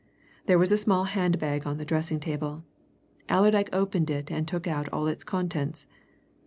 There was a small hand bag on the dressing table; Allerdyke opened it and took out all its contents.